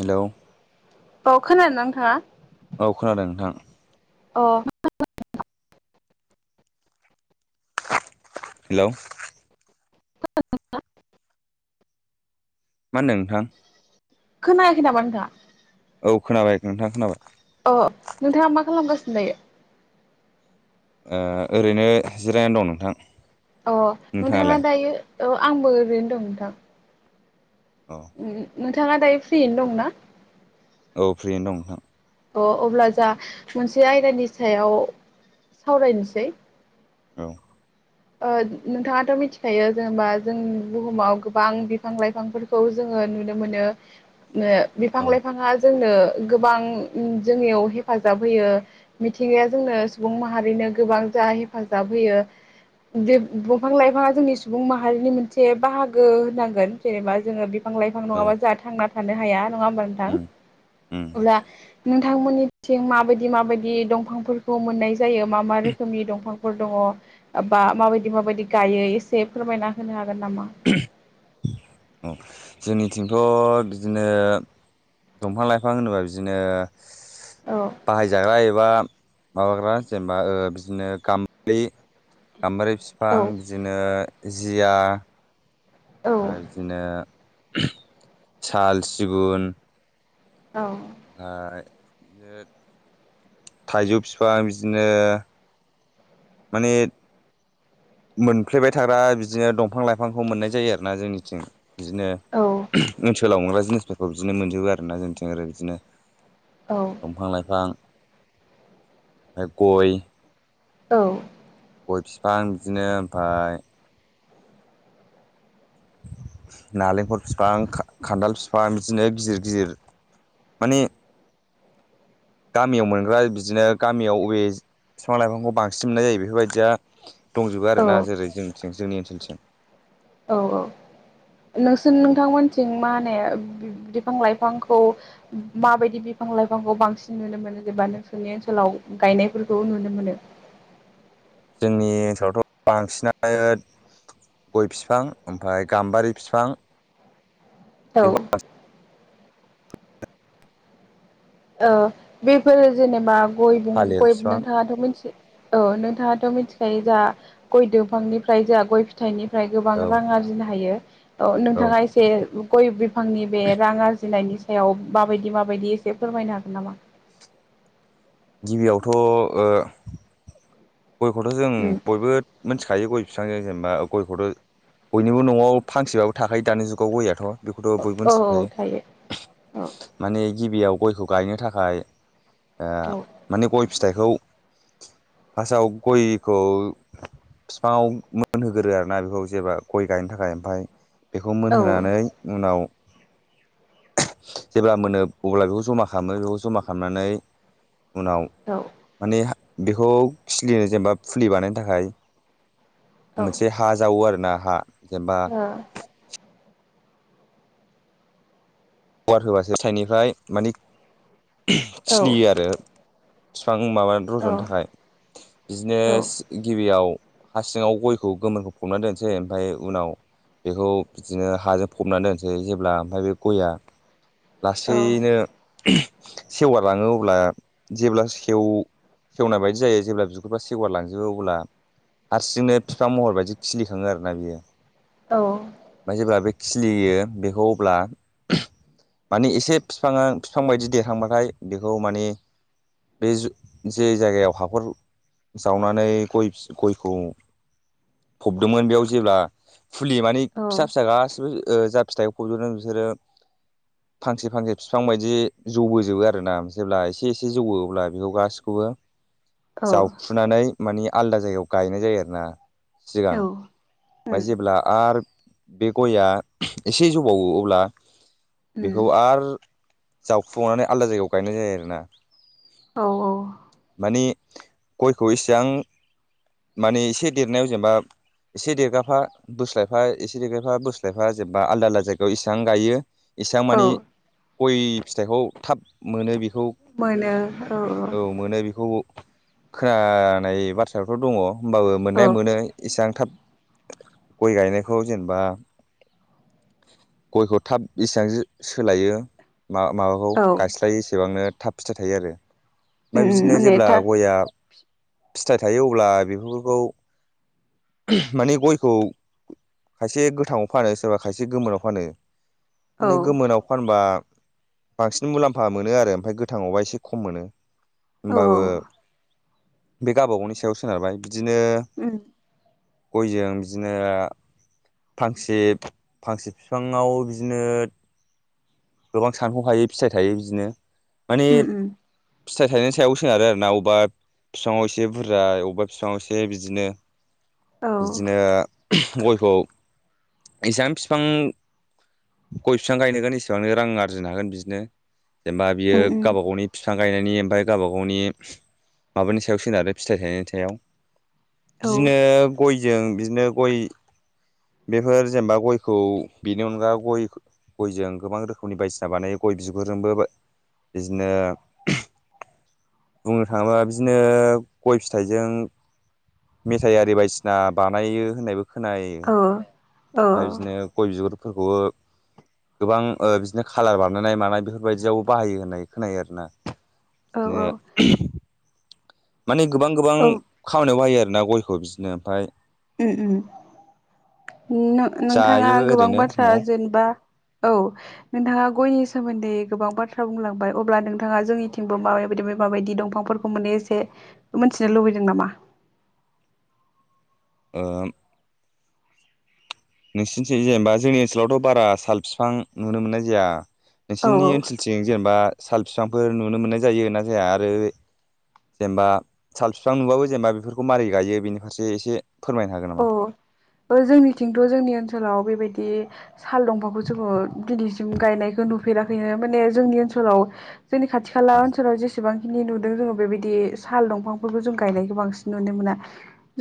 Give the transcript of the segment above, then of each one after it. हेल' औ खोनादों नोंथांङा औ खोनादों नोंथां। [unintelligible] हेलोव [unintelligible] मा होन्दों नोंथां? खोनायाखै नामा नोंथां? औ खोनाबाय नोंथांङा खोनाबाय। जायो। ओ ओरैनो जिरायनानै दं नोंथां। अ नोंथांङा नोंथाङालाय दायो अ आंबो ओरैनो दं नोंथां। औ नोंथांङा दायो फ्रियैनो दंना? औ फ्रियैनो दं नोंथां। अ अब्ला जा मोनसे आयदानि सायाव सावरायनोसै औ ओ नोंथांङाथ' मिथिखायो जेनेबा जों बुहुमाव गोबां बिफां लाइफांफोरखौ जों ओ नुनो मोनो ओ बिफां औ लाइफांङा जोंनो गोबां जोंनियाव हेफाजाब होयो मिथिंगाया जोंनो सुबुं माहारिनो गोबां जा हेफाजाब होयो देब दंफां लाइफांङा जोंनि सुबुं माहारिनि मोनसे बाहागो होननांगोन जेनेबा जोंङो फां लाइफां औ नंङाबा जाहा थांना थानो हाया नंङा होमबा नोंथां? उम उम अब्ला नोंथांमोननिथिं माबायदि माबायदि दंफांफोरखौ मोननाय जायो मा मा रोखोमनि दंफांफोर दंङ अ बा माबायदि माबायदि गायो एसे फोरमायना होनो हागोन नाम [unintelligible] औ जोंनिथिंथ' बिदिनो दंफां लाइफां होनोबा बिदिनो औ बाहायजाग्रा एबा माबाग्रा जेनेबा बिदिनो गामलि गामबारि फिफां औ बिदिनो जिया औ ओय बिदिनो साल', सिगुन औ ओ इदिनो थाइजौ बिफां बिदिनो माने मोनफ्लेबाय थाग्रा बिदिनो दंफां लाइफांखौ मोननाय जायो आरोना जोंनिथिं बिदिनो औ ओनसोलाव मोनग्रा जिनिसफोरखौ बिदिनो मोनजोबो आरोना जोंनिथिं ओरो बिदिनो औ दंफां लाइफां ओमफ्राय गय औ गय बिफां बिदिनो ओमफाप नालेंखर फिफां खा-खान्दाल फिफां बिदिनो गिर गिर माने गामियाव मोनग्रा बिदिनो गामियाव अवे बिफां लाइफांखौ बांसिन मोननाय जायो बेफोरबायदिया दंजोबो औ आरोना जेरै जोंथि जोंनि ओनसोलथिं औ औ नोंसोर नोंथांमोनथिं मा होनो बि-बिफां लाइफांखौ माबायदि बिफां लाइफांखौ बांसिन नुनो मोनो जेनबा नोंसोरनि ओनसोलाव गायनायफोरखौ नुनो मोनो। [inaudible] जोंनि ओनसोलावथ' बांसिनानो गय फिफां ओमफाय गाम्बारि फिफां औ ओ बेफोरो जेनेबा गय थालिर गय बिफां नोंथांङाथ' मोनसे औ नोंथाङाथ' मिथिखायो जा, गय दंफांनिफ्राय जा गय फिथाइनि ओमफ्राय गोबां औ रां आरजिनो हायो। औ नोंथाङा एसे गय बिफांनि बे रां आरजिनायनि सायाव माबायदि- माबायदि एसे फोरमायनो हागोन नामा? गिबियावथ' ओ गयखौथ' जों उम बयबो [unintelligible] थायो। गय फिफांजों जेनेबा गयखौथ' बयनिबो न'आव फांसेबाबो थाखायो दानि जुगाव गययाथ'। बेखौथ' बयबो औ मिनथिखायो थायो औ माने गिबियाव गयखौ गायनो थाखाय ओ औ माने गय फिथाइखौ फार्स्टआव गयखौ बिफाङाव मोनहोग्रो आरो ना बेखौ जेबा, गय गायनो थाखाय ओमफाय बेखौ औ मोनहोनानै उनाव जेब्ला मोनो अब्ला बेखौ जमा खालामो, बेखौ जमा खालामनानै उनाव औ माने बेखौ खिलिनो, जेनेबा फुलि बानायनो थाखाय औ मोनसे हा जावो आरो ना हा जेनेबा ओ [unintelligible] होबासो साइडनिफ्राय माने औ खिलियो आरो। बिफां माब रज'नो औ थाखाय बिदिनो गिबियाव हा सिङाव गयखौ गोमोनखौ फबना दोनसै। ओमफाय उनाव बेखौ बिदिनो हाजों फबनानै दोनसै। जेब्ला ओमफ्राय बे गया औ लासैनो सेवगारलाङो अब्ला, जेब्ला [unintelligible] सेवनाय बायदि जायो। जेब्ला बिगुरफ्रा सेवगार लांजोबो अब्ला हारसिंनो बिफां महर बायदि खिलिखाङो आरोना। बियो औ ओमबाय जेब्ला, बे खिलियो बेखौ अब्ला माने एसे बिफाङा बिफां बायदि देरहांबाथाय बेखौ माने बे ज-जे जायगायाव हाखर जावनानै गय, गयखौ फबदोंमोन बेयाव जेब्ला फुलि माने फिसा -फिसा गासिबो जा फिथाइखौ खज'दों बिसोरो [inaudible] फांसे -फांसे बिफां बायदि जौबोजोबो आरोना। जेब्ला एसे -एसे जौवो अब्ला बेखौ गासिखौबो औ जावखुनानै माने आलदा जायगायाव गायनाय जायो आरोना। सिगां औ ओमफ्राय जेब्ला आरो बे गयआ एसे जौबावो अब्ला उम बेखौ आरो जावखुनानै आलदा जायगायाव गायनाय जायो आरोना। औ औ। ने गयखौ इसेबां माने एसे देरनायाव जेनेबा एसे देरगाफा बोस्लायफा, एसे देरगाफा बोस्लायफा जेनबा आलदा -आलदा जायगायाव इसां गायो इसेबां औ माने, गय फिथाइखौ थाब मोन बेखौ औ मोनो बेखौ खोनानाय बाथ्राफोर दङ। होमबाबो औ मोननाया मोनो इसेबां थाब गय -गायनायखौ जेनेबा गयखौ थाब इसेबां सोलायो। मा -माबाखौ औ गायस्लायो एसेबांनो थाब फिथाइ थायो आरो। उम ओमफ्राय उम बिदिनो माने जेब्ला था गयआ फिथाइ थायो। अब्ला बेफोरखौ माने गयखौ खायसे गोथाङाव फानो। सोरबा खायसे गोमोनाव फानो। औ माने गोमोनाव फानबा बांसिन मुलाम्फा मोनो आरो। ओमफ्राय गोथाङावबा एसे खम मोनो। औ होनबाबो बे गावबा- गावनि सायाव सोनारबाय बिदिनो उम गयजों बिदिनो फांसे -फांसे बिफां बिफाङाव बिदिनो गोबां सानहौ हायो फिथाइ थायो। बिदिनो माने उम उम फिथाइ थायनायनि सायावबो सोनारो आरो ना। अबेबा बिफाङाव एसे बुरजा अबेबा बिफाङाव एसे बिदिनो औ बिदिनो गयखौ इसां बिफां गय बिफां गायनगोन। एसेबां रां आरजिनो हागोन बिदिनो। जेनेबा बियो उम उम गावब गावनि फिफां गायनायनि ओमफफ्राय गावबा गावनि माबानि सायाव सोनारो फिथाइ थायनायनि सायाव औ बिदिनो गयजों बिदिनो गय बेफोर जेनेबा गयखौ बेनि अनगा गय गयजों गोबां रोखोमनि बायदिसिना बानायो। गय बिगुरजोंबो बिदिनो बुंनो थाङोबा बिदिनो गय फिथाइजों मेथायाइ आरि बायदिसिना बानायो होननायबो खोनायो। औ औ ओमफफ्राय बिदिनो गय बिगुरफोरखौबो गोबां बिदिनो ओ खालार बानायनाय मानाय बेफोरबायदियावबो बाहायो होननाय खोनायो आर ना। औ औ। माने गोबां गोबां उम खामानियाव बाहायो आरो ना गयखौ बिदिनो ओमफफ्राय उम उम नोंथाङा जायोबो गोबां ओरैनो बाथ्रा न'आव जेनेबा औ। नोंथाङा गयनि सोमोन्दै गोबां बाथ्रा बुंलांबाय अब्ला नोंथाङा जोंनिथिंबो माबायायदि माबाय दंफांफोरखौ मोन एसे मिथिनो लुबैदों नामा? ओ नोंसि थ 'जेनेबा जोंनि ओनसोलावथ' बारा साल बिफां नुनो मोननाय जाया। औ नोंसिनि ओनसोलथिं जेनेबा साल बिफांफोर नुनो मोननाय जायो ना जाया? आरो जेनेबा साल बिफां नुबाबो जेनेबा बेफोरखौ मारै गायो बेनि फारसे एसे फोरमायनो हागोन नामा? अ जोंनिथिंथ' जोंनि ओनसोल ओनसोलाव बेबायदि साल दंफाखौ जोङो दिनैसिम गायनायखौ नुफेराखैनो। माने जोंनि ओनसोलाव ओनसोलाव जोंनि खाथि खाला औ ओनसोलाव जेसेबां नि नुदों जोङो बेबायदि साल दंफांफोरखौ जों गायनायखौ बांसिन नुनो मोना।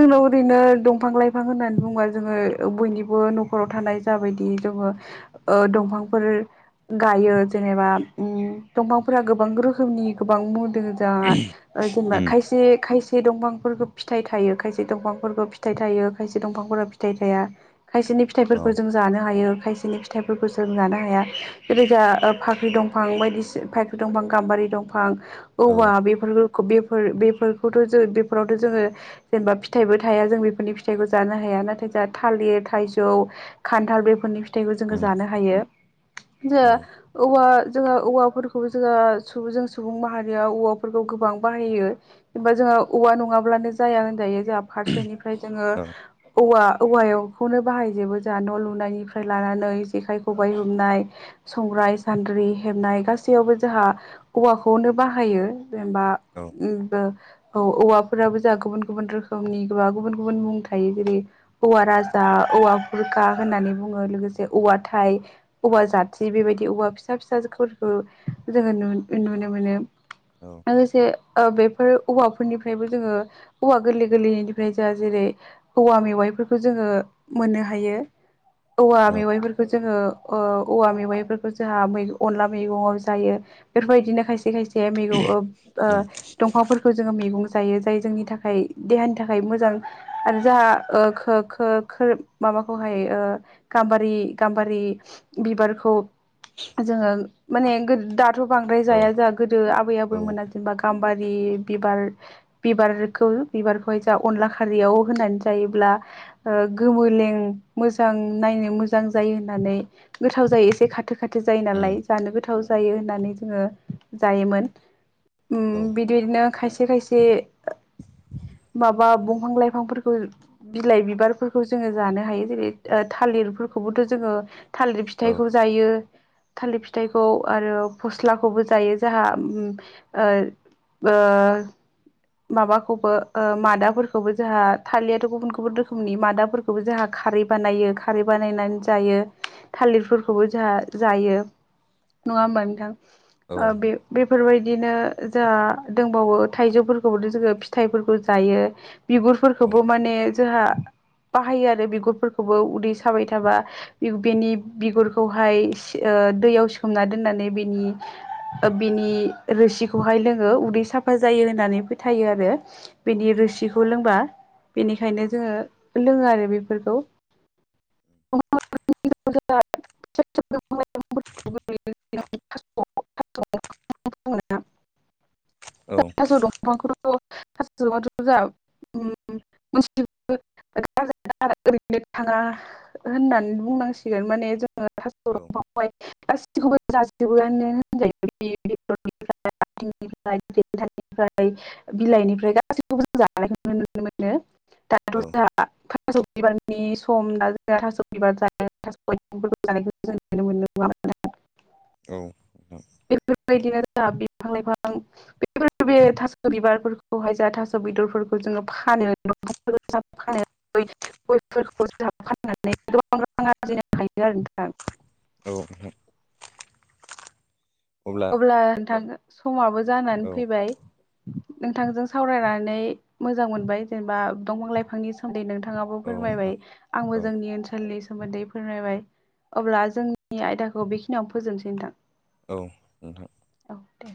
जोंनाव ओरैनो दं दंफां लाइफां होननानै बुंङोबा जोङो बयनिबो न'खराव थानाय जाबायदि जोङो ओ दंफां फोर गायो जेनेबा दफांफोरा गोबां रोखोमनि गोबां जा जेनेबा उम खायसे खायसे दंफांफोरखौ फिथाइ थायो खायसे दंफांफोरखौ फिथाइ थायोव खायसे दंफांफोरा फिथाइ थाया। खायसेनि औ फिथाइफोरखौ जों जानो हायो। खायसेनि फिथाइफोरखौ सोंजानो हाया। जेरै जा फाख्रि दंफां बायदि फाख्रि दंफां गाम्बारि दंफां औ औवा बेफोरखौ बेफोर बेफोरखौथ' जों बेफोरावथ' जोङो जेनेबा फिथाइबो थाया। जों बे फोरनि फिथाइखौ जानो हाया नाथाय जोंहा थालिर थाइजौ खान्थाल बेफोरनिथाइ फिथाइखौ जोङो उम जानो हायो जो औ औवा जोंहा औवाफोरखौबो जोंहा जों सुबुं माहारिया औवाफोरखौ गोबां बाहायो। एबा जोंहा औवा नङाब्लानो जाया होनजायो। जोंहा फारसेनिफ्राय जोङो औ औवा औवाखौनो बाहायजोबो जों न' लुनायनिफ्राय लानानै जेखाइ खबाइ हमनाय संग्रा संग्राय सान्द्रि हेबनाय गासैयावबो जोंहा हौवाखौनो बाहायो। जेनबा औ ओम औवाफोराबो जाों गुबुन गुबुन रोखोमनि बा गुबुन गुबुन मुं थायो। जेरै औवा राजा, औवा खुरखा होननानै बुङो लोगोसे औवा थाइ। औवा जाथि बेबायदि औबवा फिसा फिसाफोरखौ जोङो नुनो मोनो। औ लोगोसे बेफोर औवाफोरनिफ्रायबो जोङो औवा गोरलै गोरलैनिफ्राय -जा जेरै औवा मेवाइफोरखौ जोङो मोननो हायो औवा औ मेवाइफोरखौ जोङो ओ औवा मेवाइफोरखौ जोंहा मै अनला मैगंआव जायो बेफोरबायदिनो खायसे खायसे उम [unintelligible] दंफांफोरखौ जों मेगं जायो जाय जोंनि थाखाय देहानि थाखाय -जों आरो जोंहा ओ खो खो खो खोर माबाखौहाय ओ गाम्बारि गाम -रि बिबारखौ जोङो माने गोर दाथ बांद्राय औ जाया जा गोदो आबै उम आबैमोनासिमबा गाम्बारि बिबार बिबारखौ बिबारखौ जोंहा अनला खारियाव होनानै जायोब्ला गोमोलें मोजां नायनो मोजां जायो होनना नै गोथाव जायो एसे खाथ खाथो खाथो जायो नालाय जानो गोथाव जायो होननानै जोङो जायोमोन। ओम बिदिनो खायसे खायसे माबा बं फां लाइफांफोरखौ बिलाइ बिबारफोरखौ जोङो जानो हायो जेरै थालिरफोरखौबोथ' जोङो थालिर औ फिथाइखौ जायो। थालिर फिथाइखौ आरो फस्लाखौबो जायो जोंहा ओ ओ माबाखौबो ओ मादाफोर खौबो जोंहा थालेर गुबुन गुबुन रोखोमनि मादाफोरखौबो जोंहा खारै बानायो खारै बानायनानै जायो। थालिरफोरखौबो जोंहा जायो नङा होमबा नोंथां? ओ बे बेफोरबाय दिनो जोंहा दोंबावो थाइजौफोरखौबोथ' जोङो फिथाइफोरखौ जायो। बिगुरफोरखौबो माने जोंहा बाहायो आरो बिगुरफोरखौबो उदै साबाय थाबा बिग बेनि बिगुरखौहाय ओ दैयाव सोमना दोननानै बेनि ओ बेनि रोसिखौहाय लोङो उदै साफा जायो होननानै फोथायो आरो बेनि रोसिखौ लोंबा बेनिखायनो जोङो लोङो आरो बेफोरखौ। [unintelligible] [unintelligible] औ [unintelligible] स [unintelligible] [unintelligible] ओरैनो थाङा होननानै बुंनांसिगोन माने जोङो थास दंफांखौहाय [unintelligible] बेनिफ्राय बिलाइनिफ्राय गासिखौबो जों जा [unintelligible] थास'बिबारनि सम ना जोंहा [unintelligible] [unintelligible] बिफां औ लाइफां बेफोर बे थास' बिबारफोरखौहाय जा थास' बेदरफोर [unintelligible] [unintelligible] औ नोंथां। अब्ला नोंथां समाबो जानानै औ फैबाय। नोंथांजों सावरायनानै मोजां मोनबाय जेनेबा दंफां लाइफांनि सोमोनदै नोंथां। नोंथाङाबो औ नोंथां फोरमायबाय आंबो औ जोंनि ओनसोलनि सोमोन्दै फोरमायबाय अब्ला जोंनि आयदाखौ बेखिनियावनो फोजोबनोसै नोंथां। औ नोंथां। औ दे